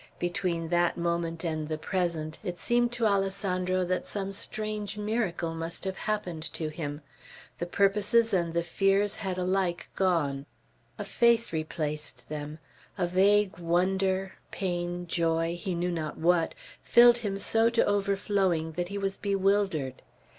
Between that moment and the present, it seemed to Alessandro that some strange miracle must have happened to him. The purposes and the fears had alike gone. A face replaced them; a vague wonder, pain, joy, he knew not what, filled him so to overflowing that he was bewildered.